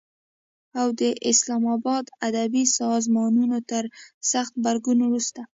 او د اسلام آباد ادبي سازمانونو تر سخت غبرګون وروسته